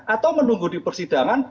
atau menunggu di persidangan